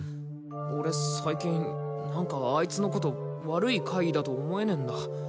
俺最近なんかあいつのこと悪い怪異だと思えねえんだ